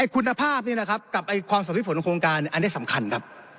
คุณภาพและความสมมุติผลคลางโอกาสอันนี้สำคัญครับ